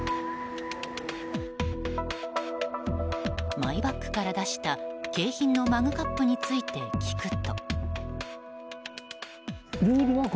マイバッグから出した、景品のマグカップについて聞くと。